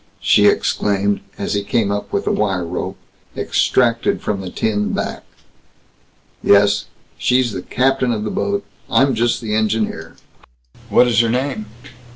she exclaimed, as he came up with a wire rope, extracted from the tin back. "Yes. She's the captain of the boat. I'm just the engineer." "What is her name?"